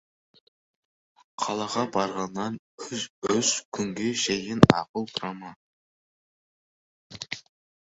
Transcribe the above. Қалаға барғаннан үш күнге шейін ақыл сұрама.